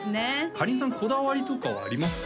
かりんさんこだわりとかはありますか？